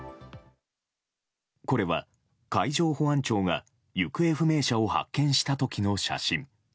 これは海上保安庁が行方不明者を発見した時の写真。